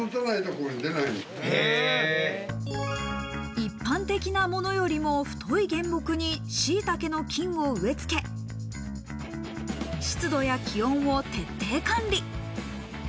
一般的なものよりも太い原木にしいたけの菌を植え付け、湿度や気温を徹底管理。